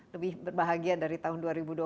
lebih berbahagia dari tahun dua ribu dua puluh dua